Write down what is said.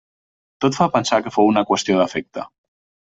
Tot fa pensar que fou una qüestió d'afecte.